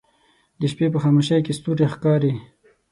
د شپې په خاموشۍ کې ستوری ښکاري